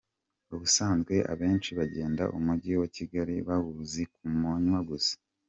Ubusanzwe abenshi bagenda umujyi wa Kigali bawuzi ku manywa gusa.